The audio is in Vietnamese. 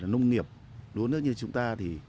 nông nghiệp đúa nước như chúng ta thì